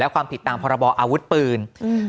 ความผิดตามพรบออาวุธปืน